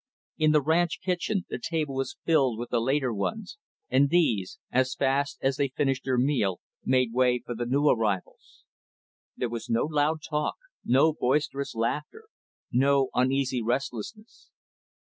In the ranch kitchen, the table was filled with the later ones; and these, as fast as they finished their meal, made way for the new arrivals. There was no loud talk; no boisterous laughter; no uneasy restlessness.